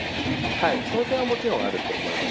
その点はもちろんあると思います。